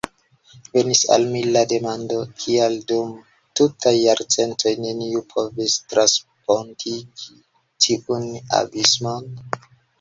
Venis al mi la demando, kial, dum tutaj jarcentoj, neniu provis transpontigi tiun abismon?